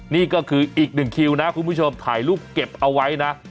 นี่ก็คืออีกหนึ่งคิวนะคุณผู้ชมถ่ายรูปเก็บเอาไว้นะ